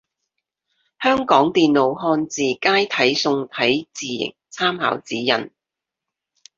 香港電腦漢字楷體宋體字形參考指引